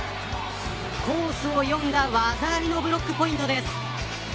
コースを読んだ技ありのブロックポイントです。